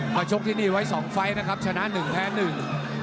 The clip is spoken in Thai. ชกที่นี่ไว้สองไฟล์นะครับชนะหนึ่งแพ้หนึ่ง